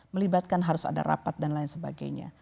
melibatkan harus ada rapat dan lain sebagainya